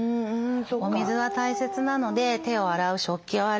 お水は大切なので手を洗う食器を洗う